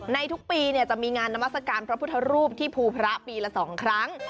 ในทุกปีจะมีงานนามัศกาลพระพุทธรูปที่ภูพระปีละ๒ครั้ง